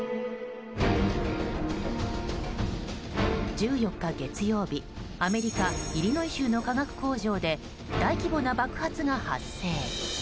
１４日、月曜日アメリカ・イリノイ州の化学工場で大規模な爆発が発生。